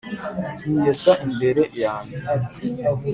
nkiyesa imbere yanjye!